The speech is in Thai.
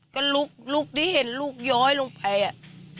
ก็ลุกลุกที่เห็นลูกย้อยลงไปอ่ะ